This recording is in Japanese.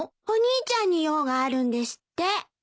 お兄ちゃんに用があるんですって。